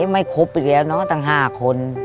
ไม่ครบอีกแล้วเนอะตั้ง๕คน